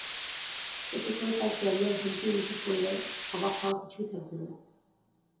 এতে করে তাঁর ক্যারিয়ার হুমকির মুখে পড়লে অবাক হওয়ার কিছুই থাকবে না।